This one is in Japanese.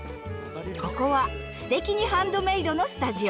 ここは「すてきにハンドメイド」のスタジオ。